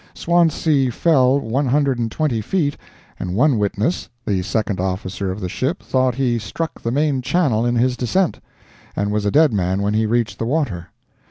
Swansea fell one hundred and twenty feet, and one witness—the second officer of the ship thought he struck the "main channels" in his descent, and was a dead man when he reached the water.